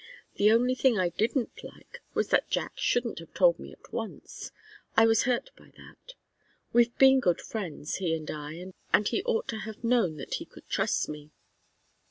The only thing I didn't like was that Jack shouldn't have told me at once. I was hurt by that. We've been good friends, he and I, and he ought to have known that he could trust me."